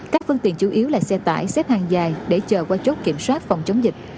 các phương tiện chủ yếu là xe tải xếp hàng dài để chờ qua chốt kiểm soát phòng chống dịch